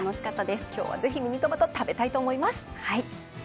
今日はぜひミニトマト食べたいと思います。